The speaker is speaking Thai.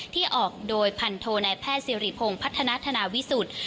ที่ออกโดยพันโทนายแพทย์สิริพงศ์พัฒนาธนาวิสุทธิ์